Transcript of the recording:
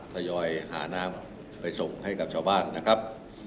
ทยอยหาน้ำไปส่งให้กับชาวบ้านนะครับ